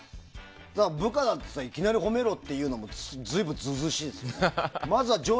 部下だっていきなり褒めろっていうのも随分、ずうずうしいですね。